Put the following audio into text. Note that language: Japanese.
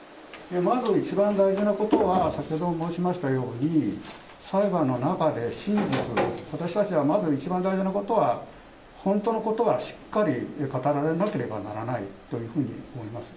まず一番大事なことは、先ほども申しましたように、裁判の中で真実、私たちはまず一番大事なことは、本当のことはしっかり語られなければならないというふうに思います。